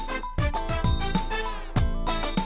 ตอนต่อไป